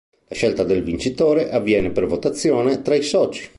La scelta del vincitore avviene per votazione tra i soci.